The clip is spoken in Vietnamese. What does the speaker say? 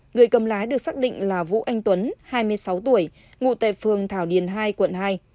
người cầm lái được xác định là vũ anh tuấn hai mươi sáu tuổi ngụ tệ phường thảo điền hai quận hai